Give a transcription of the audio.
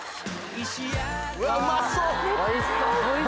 うわうまそう！